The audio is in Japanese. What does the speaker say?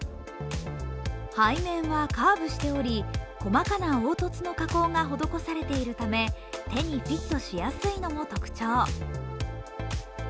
背面はカーブしており、細かな凹凸の加工が施されているため手にフィットしやすいのも特徴。